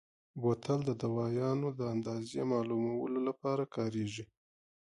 بوتل د دوایانو د اندازې معلومولو لپاره کارېږي.